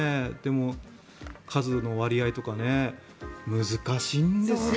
でも、数の割合とかね難しいんですよ。